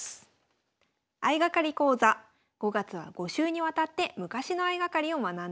相掛かり講座５月は５週にわたって昔の相掛かりを学んでいきます。